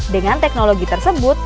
dengan teknologi tersebut